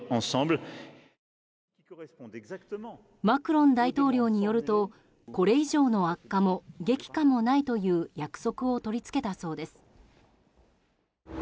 マクロン大統領によるとこれ以上の悪化も激化もないという約束を取り付けたそうです。